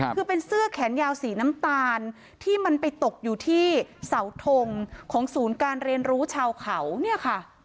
คือเป็นเสื้อแขนยาวสีน้ำตาลที่มันไปตกอยู่ที่เสาทงของศูนย์การเรียนรู้ชาวเขาเนี่ยค่ะ